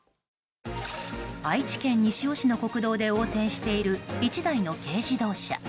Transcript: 愛知県西尾市の国道で横転している１台の軽自動車。